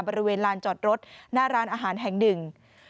บริเวณลานจอดรถหน้าร้านอาหารแห่งหนึ่ง